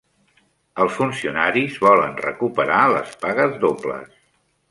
Els funcionaris volen recuperar les pagues dobles